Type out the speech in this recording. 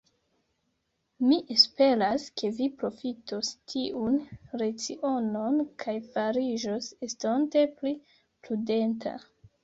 Mi esperas, ke vi profitos tiun lecionon, kaj fariĝos estonte pli prudenta.